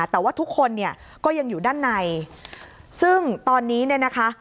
แต่ว่าทุกคนเนี่ยก็ยังอยู่ด้านในซึ่งตอนนี้เนี่ยนะคะ